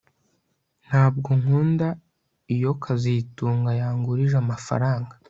Ntabwo nkunda iyo kazitunga yangurije amafaranga